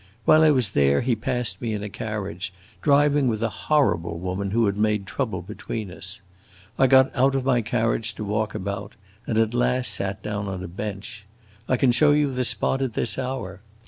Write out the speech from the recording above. While I was there he passed me in a carriage, driving with a horrible woman who had made trouble between us. I got out of my carriage to walk about, and at last sat down on a bench. I can show you the spot at this hour.